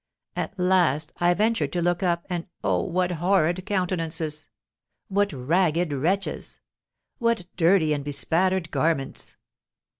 At last I ventured to look up, and, oh, what horrid countenances! What ragged wretches! What dirty and bespattered garments!